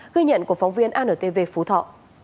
ghi nhận của phóng viên antv phú thọ